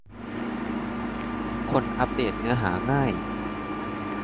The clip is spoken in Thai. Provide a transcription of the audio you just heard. คนอัปเดตเนื้อหาง่าย ?